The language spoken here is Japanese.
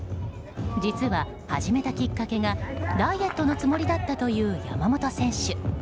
実は、始めたきっかけがダイエットのつもりだったという山本選手。